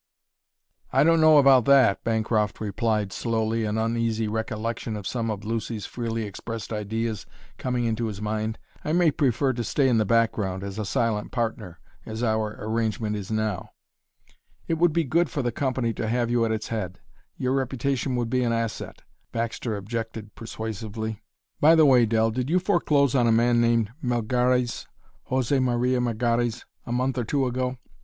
"I don't know about that," Bancroft replied slowly, an uneasy recollection of some of Lucy's freely expressed ideas coming into his mind. "I may prefer to stay in the background, as a silent partner, as our arrangement is now." "It would be good for the company to have you at its head; your reputation would be an asset," Baxter objected persuasively. "By the way, Dell, did you foreclose on a man named Melgares, José Maria Melgares, a month or two ago?"